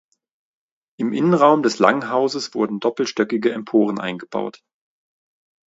Im Innenraum des Langhauses wurden doppelstöckige Emporen eingebaut.